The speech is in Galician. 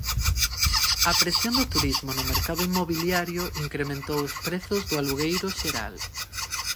A presión do turismo no mercado inmobiliario incrementou os prezos do alugueiro xeral.